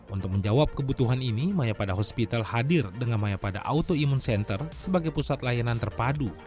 untuk menjawab kebutuhan ini maya pada hospital hadir dengan maya pada autoimun center sebagai pusat layanan terpadu